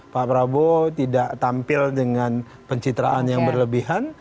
pak prabowo tidak tampil dengan pencitraan yang berlebihan